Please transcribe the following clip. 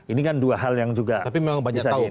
ini kan dua hal yang juga bisa diingat tapi memang banyak tahu